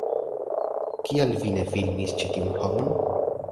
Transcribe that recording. Kial vi ne filmis ĉi tiun homon?